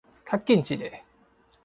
較緊一下